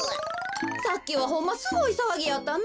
さっきはほんますごいさわぎやったな。